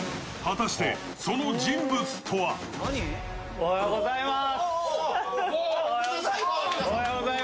おはようございます。